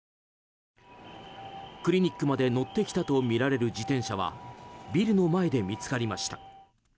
クリニックまで乗ってきたとみられる自転車はビルの前で見つかりました。